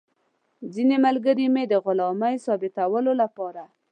ځینې ملګري مې د غلامۍ ثابتولو لپاره.